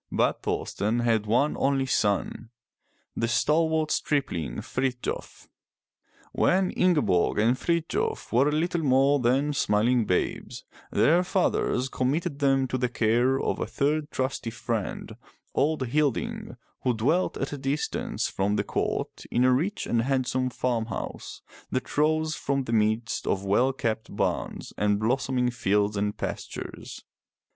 But Thor'sten had one only son, the stalwart stripling Frith'jof. When Ingeborg and Frithjof were little more than smiling babes, their fathers committed them to the care of a third trusty friend, old Hil'ding, who dwelt at a distance from the court in a rich and handsome farm house that rose from the midst of well kept barns and blossoming fields and pastures.